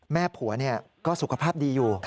แม่ผัวก็สุขภาพดีอยู่